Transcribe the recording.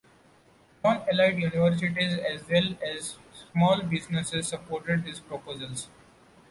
Non-elite universities as well as small businesses supported his proposals.